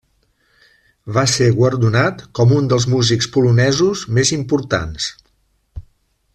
Va ser guardonat com un dels músics polonesos més importants.